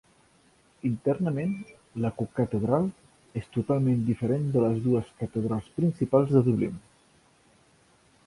Internament, la co-catedral es totalment diferent de les dues catedrals principals de Dublin.